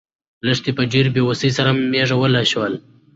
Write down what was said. لښتې په ډېرې بې وسۍ سره مېږه ولوشله.